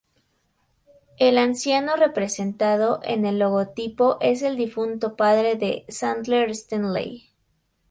El anciano representado en el logotipo es el difunto padre de Sandler, Stanley.